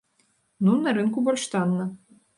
Ну, на рынку больш танна.